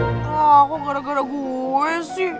kok gara gara gue sih